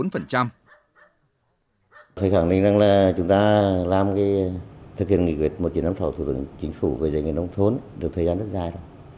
phải khẳng định rằng là chúng ta làm cái thực hiện nghị quyết một năm thổ thủ tướng chính phủ về giải nghị nông thôn được thời gian rất dài